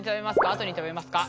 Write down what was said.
あとに食べますか？